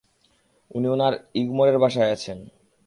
উনি ওনার ইগমোরের বাসায় আছেন।